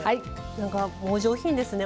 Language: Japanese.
なんかお上品ですね